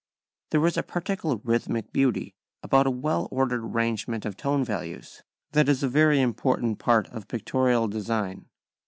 There is a particular rhythmic beauty about a well ordered arrangement of tone values that is a very important part of pictorial design.